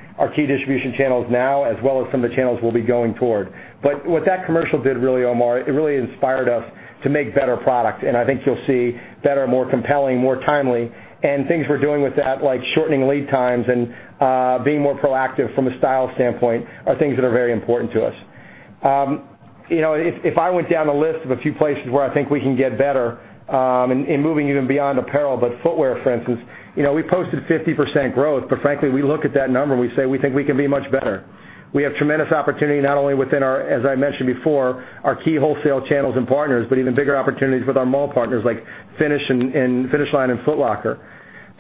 distribution channels now, as well as some of the channels we'll be going toward. What that commercial did, really, Omar, it really inspired us to make better product, and I think you'll see better, more compelling, more timely. Things we're doing with that, like shortening lead times and being more proactive from a style standpoint, are things that are very important to us. If I went down a list of a few places where I think we can get better in moving even beyond apparel, but footwear for instance, we posted 50% growth. Frankly, we look at that number, and we say we think we can be much better. We have tremendous opportunity not only within our, as I mentioned before, our key wholesale channels and partners, but even bigger opportunities with our mall partners like Finish Line and Foot Locker.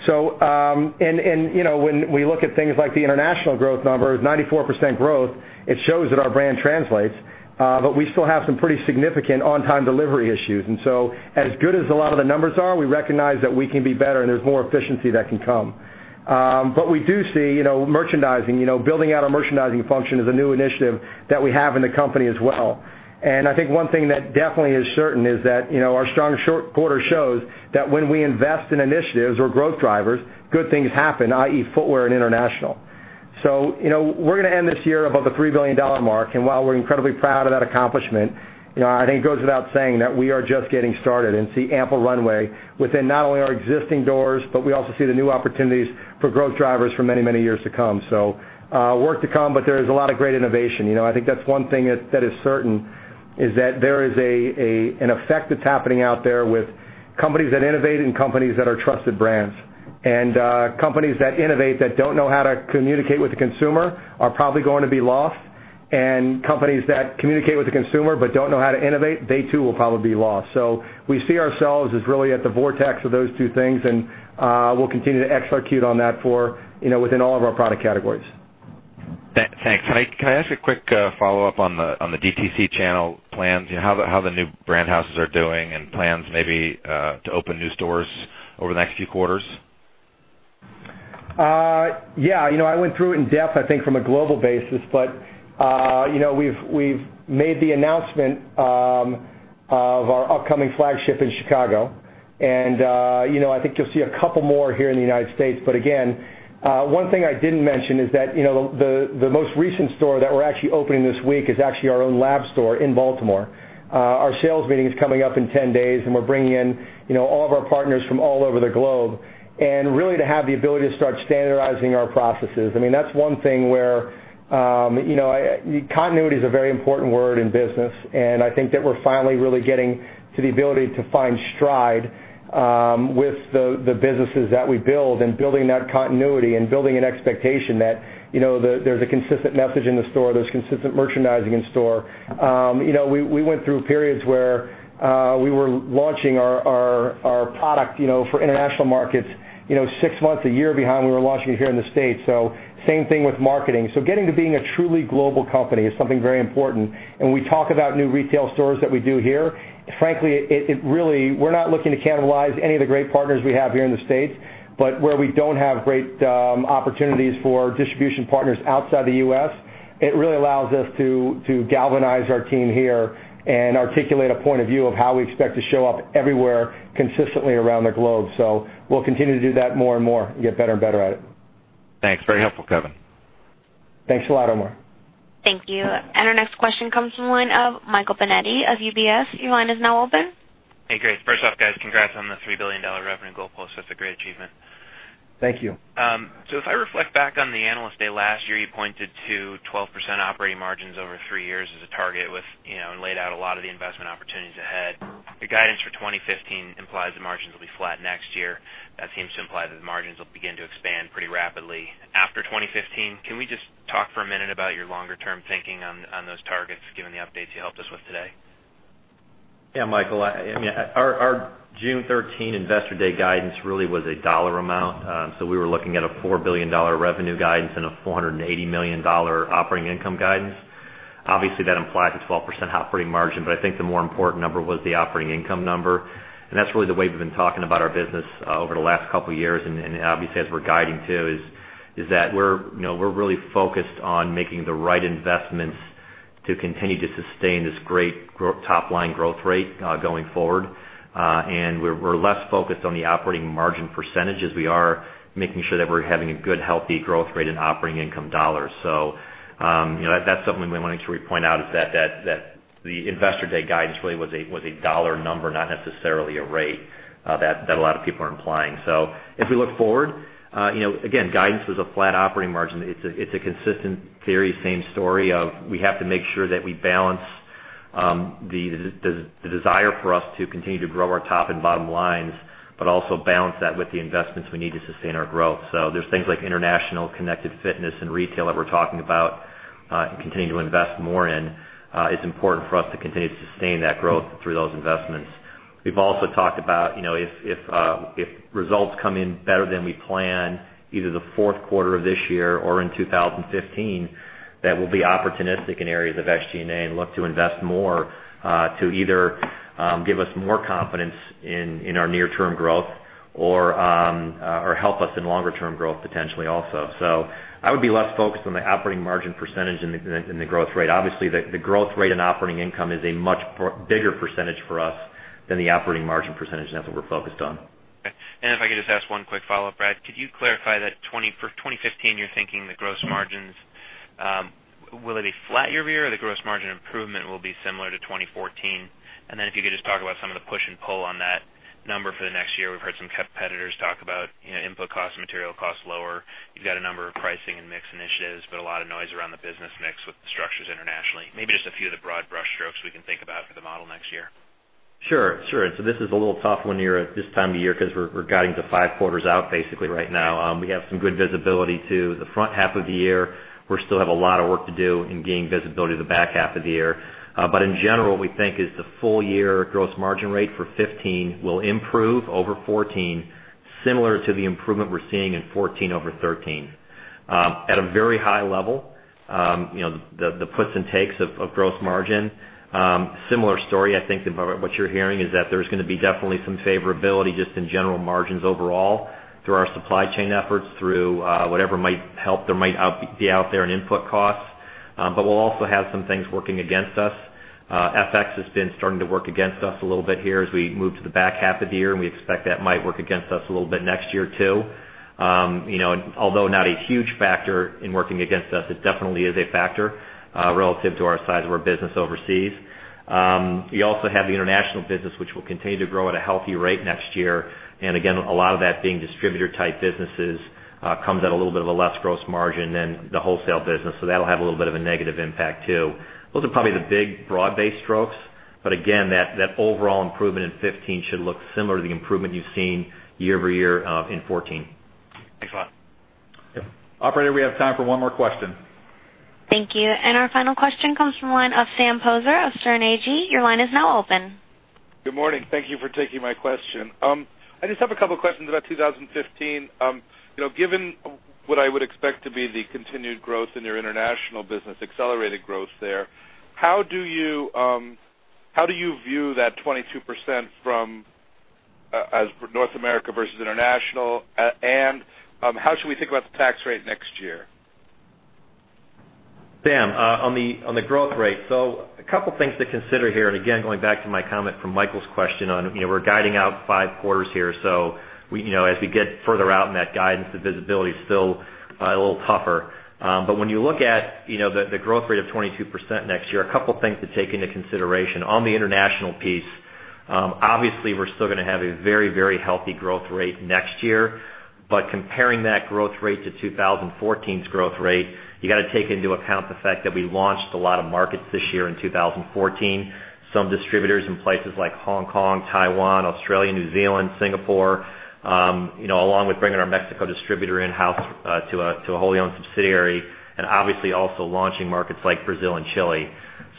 When we look at things like the international growth numbers, 94% growth, it shows that our brand translates. We still have some pretty significant on-time delivery issues. As good as a lot of the numbers are, we recognize that we can be better, and there's more efficiency that can come. We do see merchandising. Building out our merchandising function is a new initiative that we have in the company as well. I think one thing that definitely is certain is that our strong quarter shows that when we invest in initiatives or growth drivers, good things happen, i.e., footwear and international. We're going to end this year above the $3 billion mark, and while we're incredibly proud of that accomplishment, I think it goes without saying that we are just getting started and see ample runway within not only our existing doors, but we also see the new opportunities for growth drivers for many years to come. Work to come, but there is a lot of great innovation. I think that's one thing that is certain, is that there is an effect that's happening out there with companies that innovate and companies that are trusted brands. Companies that innovate that don't know how to communicate with the consumer are probably going to be lost. Companies that communicate with the consumer but don't know how to innovate, they too, will probably be lost. We see ourselves as really at the vortex of those two things, and we'll continue to execute on that within all of our product categories. Thanks. Can I ask a quick follow-up on the DTC channel plans? How the new brand houses are doing and plans maybe to open new stores over the next few quarters? Yeah. I went through it in-depth, I think, from a global basis, but we've made the announcement of our upcoming flagship in Chicago. I think you'll see a couple more here in the U.S. Again, one thing I didn't mention is that the most recent store that we're actually opening this week is actually our own lab store in Baltimore. Our sales meeting is coming up in 10 days, we're bringing in all of our partners from all over the globe, and really to have the ability to start standardizing our processes. Continuity is a very important word in business, I think that we're finally really getting to the ability to find stride with the businesses that we build and building that continuity and building an expectation that there's a consistent message in the store, there's consistent merchandising in store. We went through periods where we were launching our product for international markets six months to a year behind we were launching it here in the U.S. Same thing with marketing. Getting to being a truly global company is something very important. We talk about new retail stores that we do here. Frankly, we're not looking to cannibalize any of the great partners we have here in the U.S., but where we don't have great opportunities for distribution partners outside the U.S., it really allows us to galvanize our team here and articulate a point of view of how we expect to show up everywhere, consistently around the globe. We'll continue to do that more and more and get better and better at it. Thanks. Very helpful, Kevin. Thanks a lot, Omar. Thank you. Our next question comes from the line of Michael Binetti of UBS. Your line is now open. Hey, great. First off, guys, congrats on the $3 billion revenue goal post. That's a great achievement. Thank you. If I reflect back on the Analyst Day last year, you pointed to 12% operating margins over three years as a target and laid out a lot of the investment opportunities ahead. The guidance for 2015 implies the margins will be flat next year. That seems to imply that the margins will begin to expand pretty rapidly after 2015. Can we just talk for a minute about your longer-term thinking on those targets, given the updates you helped us with today? Michael. Our June 2013 Investor Day guidance really was a dollar amount. We were looking at a $4 billion revenue guidance and a $480 million operating income guidance. Obviously, that implies a 12% operating margin, I think the more important number was the operating income number. That's really the way we've been talking about our business over the last couple of years. Obviously, as we're guiding too, is that we're really focused on making the right investments to continue to sustain this great top-line growth rate going forward. We're less focused on the operating margin percentage as we are making sure that we're having a good, healthy growth rate in operating income dollars. That's something we want to make sure we point out, is that the Investor Day guidance really was a dollar number, not necessarily a rate that a lot of people are implying. As we look forward, again, guidance was a flat operating margin. It's a consistent theory, same story of we have to make sure that we balance The desire for us to continue to grow our top and bottom lines, also balance that with the investments we need to sustain our growth. There's things like international connected fitness and retail that we're talking about and continue to invest more in. It's important for us to continue to sustain that growth through those investments. We've also talked about if results come in better than we plan, either the fourth quarter of this year or in 2015, that we'll be opportunistic in areas of SG&A and look to invest more to either give us more confidence in our near-term growth or help us in longer term growth potentially also. I would be less focused on the operating margin percentage than the growth rate. Obviously, the growth rate in operating income is a much bigger percentage for us than the operating margin percentage, that's what we're focused on. Okay. If I could just ask one quick follow-up, Brad, could you clarify that 2015, you're thinking the gross margins, will it be flat year-over-year, or the gross margin improvement will be similar to 2014? If you could just talk about some of the push and pull on that number for the next year. We've heard some competitors talk about input costs, material costs lower. You've got a number of pricing and mix initiatives, a lot of noise around the business mix with the structures internationally. Maybe just a few of the broad brush strokes we can think about for the model next year. Sure. This is a little tough one here at this time of year because we're guiding to 5 quarters out basically right now. We have some good visibility to the front half of the year. We still have a lot of work to do in gaining visibility to the back half of the year. In general, we think as the full year gross margin rate for 2015 will improve over 2014, similar to the improvement we're seeing in 2014 over 2013. At a very high level, the puts and takes of gross margin, similar story, I think what you're hearing is that there's going to be definitely some favorability just in general margins overall through our supply chain efforts, through whatever might help, there might be out there in input costs. We'll also have some things working against us. FX has been starting to work against us a little bit here as we move to the back half of the year. We expect that might work against us a little bit next year, too. Although not a huge factor in working against us, it definitely is a factor relative to our size of our business overseas. You also have the international business, which will continue to grow at a healthy rate next year. Again, a lot of that being distributor type businesses comes at a little bit of a less gross margin than the wholesale business, so that'll have a little bit of a negative impact, too. Those are probably the big broad-based strokes. Again, that overall improvement in 2015 should look similar to the improvement you've seen year-over-year in 2014. Thanks a lot. Yep. Operator, we have time for one more question. Thank you. Our final question comes from the line of Sam Poser of Sterne Agee. Your line is now open. Good morning. Thank you for taking my question. I just have a couple questions about 2015. Given what I would expect to be the continued growth in your international business, accelerated growth there, how do you view that 22% from North America versus international? How should we think about the tax rate next year? Sam, on the growth rate. A couple things to consider here, and again, going back to my comment from Michael's question on we're guiding out five quarters here. As we get further out in that guidance, the visibility is still a little tougher. When you look at the growth rate of 22% next year, a couple things to take into consideration. On the international piece, obviously, we're still going to have a very healthy growth rate next year. Comparing that growth rate to 2014's growth rate, you got to take into account the fact that we launched a lot of markets this year in 2014. Some distributors in places like Hong Kong, Taiwan, Australia, New Zealand, Singapore, along with bringing our Mexico distributor in-house to a wholly owned subsidiary, and obviously also launching markets like Brazil and Chile.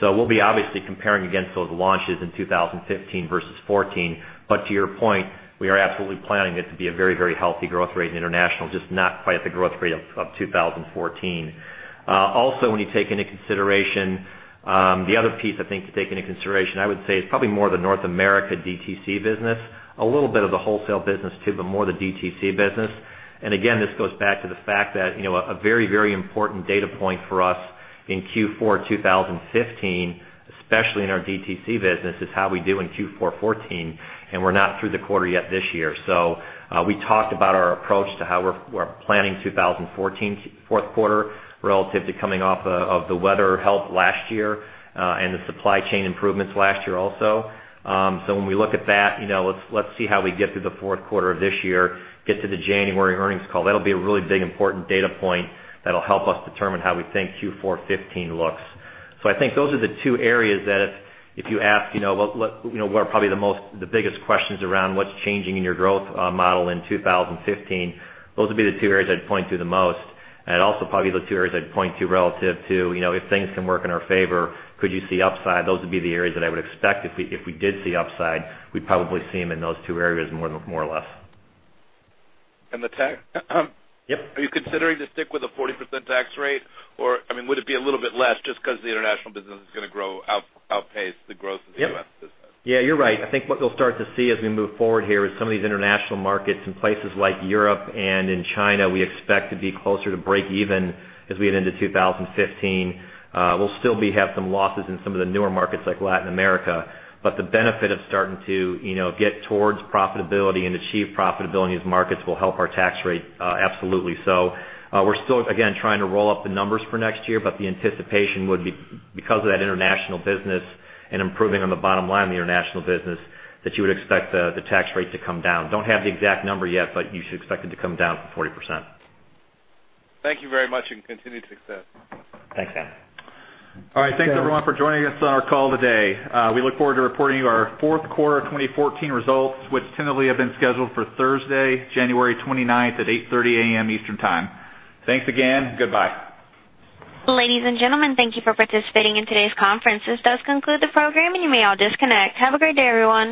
We'll be obviously comparing against those launches in 2015 versus 2014. To your point, we are absolutely planning it to be a very healthy growth rate in international, just not quite at the growth rate of 2014. Also, when you take into consideration the other piece, I think to take into consideration, I would say it's probably more the North America DTC business, a little bit of the wholesale business too, but more the DTC business. And again, this goes back to the fact that a very important data point for us in Q4 2015, especially in our DTC business, is how we do in Q4 2014, and we're not through the quarter yet this year. We talked about our approach to how we're planning 2014's fourth quarter relative to coming off of the weather help last year and the supply chain improvements last year also. When we look at that, let's see how we get through the fourth quarter of this year, get to the January earnings call. That will be a really big important data point that will help us determine how we think Q4 2015 looks. I think those are the two areas that if you ask what is probably the biggest questions around what is changing in your growth model in 2015, those would be the two areas I would point to the most. Also probably the two areas I would point to relative to if things can work in our favor, could you see upside? Those would be the areas that I would expect if we did see upside, we would probably see them in those two areas, more or less. The tax? Yep. Are you considering to stick with a 40% tax rate, or would it be a little bit less just because the international business is going to outpace the growth of the U.S. business? You are right. I think what they will start to see as we move forward here is some of these international markets in places like Europe and in China, we expect to be closer to break even as we head into 2015. We will still have some losses in some of the newer markets like Latin America, but the benefit of starting to get towards profitability and achieve profitability in these markets will help our tax rate absolutely. We are still, again, trying to roll up the numbers for next year, but the anticipation would be because of that international business and improving on the bottom line of the international business, that you would expect the tax rate to come down. Do not have the exact number yet, but you should expect it to come down from 40%. Thank you very much, and continued success. Thanks, Sam. All right. Thanks, everyone, for joining us on our call today. We look forward to reporting our fourth quarter 2014 results, which tentatively have been scheduled for Thursday, January 29th at 8:30 A.M. Eastern Time. Thanks again. Goodbye. Ladies and gentlemen, thank you for participating in today's conference. This does conclude the program, and you may all disconnect. Have a great day, everyone.